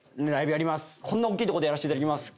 こんなおっきいとこでやらせていただきます。